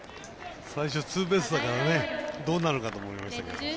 最初ツーベースだからどうなるかと思いましたけど。